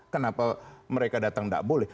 kenapa mereka datang tidak boleh